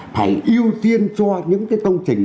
phải ưu tiên cho những cái công trình